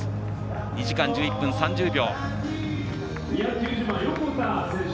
２時間１１分３０秒。